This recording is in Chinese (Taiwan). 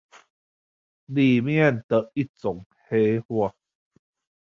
裡面的一種黑話